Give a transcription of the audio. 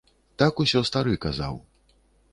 Так усё стары казаў.